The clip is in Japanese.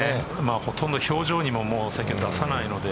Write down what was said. ほとんど表情にも出さないので。